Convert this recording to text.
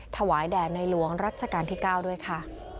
ถวายแด่ในหลวงรัชกาลที่๙ด้วยค่ะ